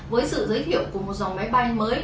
với sự giới thiệu của một dòng máy bay mới